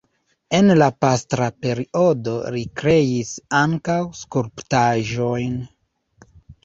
En la pastra periodo li kreis ankaŭ skulptaĵojn.